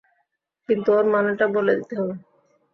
কিন্তু ওর মানেটা বলে দিতে হবে।